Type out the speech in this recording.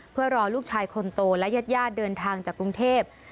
เพื่อรอลูกชายคนโตและญาติญาติเดินทางจากกรุงเทพ